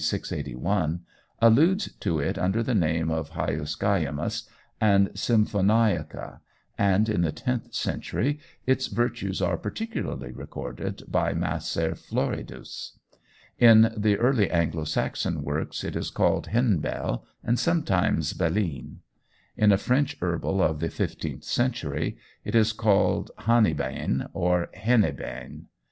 681, alludes to it under the name of hyoscyamus and symphoniaca, and in the tenth century its virtues are particularly recorded by Macer Floridus. In the early Anglo Saxon works it is called henbell and sometimes belene. In a French herbal of the fifteenth century it is called hanibane or hanebane.